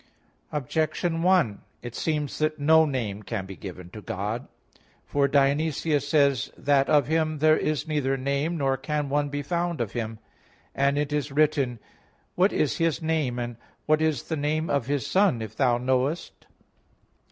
Objection 1: It seems that no name can be given to God. For Dionysius says (Div. Nom. i) that, "Of Him there is neither name, nor can one be found of Him;" and it is written: "What is His name, and what is the name of His Son, if thou knowest?"